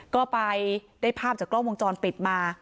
ก็ไปได้ภาพจากกล้องวงจรปิดมา